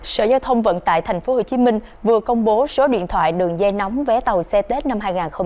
sở giao thông vận tải tp hcm vừa công bố số điện thoại đường dây nóng vé tàu xe tết năm hai nghìn hai mươi bốn